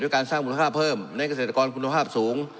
การสร้างมูลค่าเพิ่มในเกษตรกรคุณภาพสูง